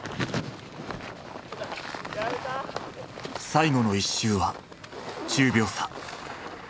最後の１周は１０秒差。